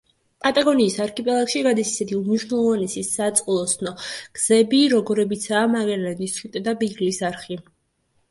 პატაგონიის არქიპელაგში გადის ისეთი უმნიშვნელოვანესი საწყლოსნო გზები, როგორებიცაა მაგელანის სრუტე და ბიგლის არხი.